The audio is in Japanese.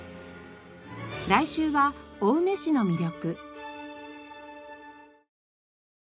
来週は青梅市の魅力。